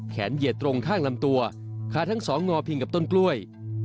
เหยียดตรงข้างลำตัวขาทั้งสองงอพิงกับต้นกล้วย